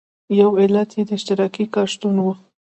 یو علت یې د اشتراکي کار شتون و.